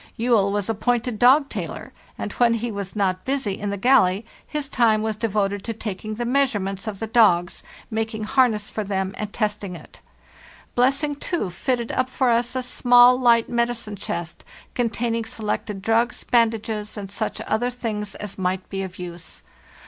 Juell was appointed dog tailor, and when he was not busy in the galley, his time was devoted to taking the measurements of the dogs, making harness for them and testing it. Blessing, too, fitted up for us a small, light medicine chest, containing selected drugs, bandages, and such other things as might be of use.